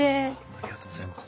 ありがとうございます。